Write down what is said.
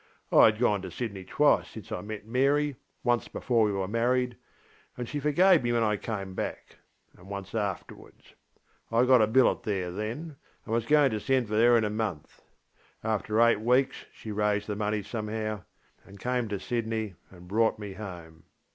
I had gone to Sydney twice since I met Mary, once before we were married, and she forgave me when I came back; and once afterwards. I got a billet there then, and was going to send for her in a month. After eight weeks she raised the money somehow and came to Sydney and brought me home.